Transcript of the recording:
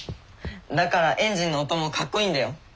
だからエンジンの音もかっこいいんだよ。